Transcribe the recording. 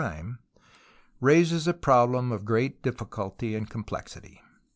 time, raises a problem of great difficulty and complexity.